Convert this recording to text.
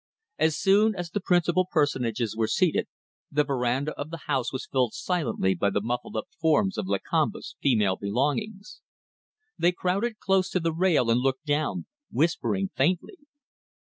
As soon as the principal personages were seated, the verandah of the house was filled silently by the muffled up forms of Lakamba's female belongings. They crowded close to the rail and looked down, whispering faintly.